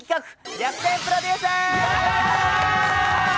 逆転プロデュース！